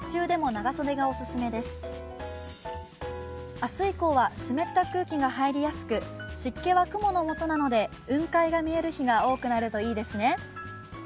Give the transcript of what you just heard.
明日以降は湿った空気が入りやすく、雲海が見える日が多くなるといいですね。